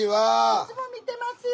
いつも見てますよ。